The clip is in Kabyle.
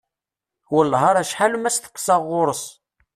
Wellah ar acḥal ma steqsaɣ ɣur-s.